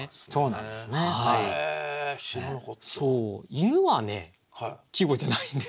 犬はね季語じゃないんです。